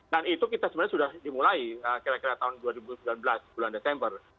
dan itu kita sebenarnya sudah dimulai kira kira tahun dua ribu sembilan belas bulan desember